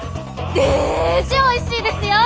デージおいしいですよ！